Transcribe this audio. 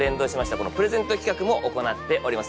このプレゼント企画も行っております